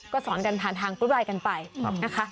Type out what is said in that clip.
ก็สอนกันผ่านทางกรุ๊ปไลน์กันไปนะคะ